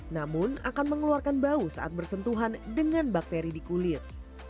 namun akan mengeluarkan bau saat bersentuhan dengan bakteri di kulit